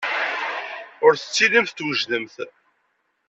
Ur tettilimt twejdemt.